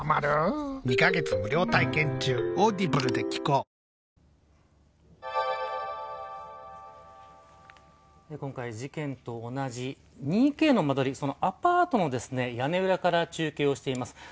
今回、警察によると今回、事件と同じ２Ｋの間取りそのアパートの屋根裏から中継をしています。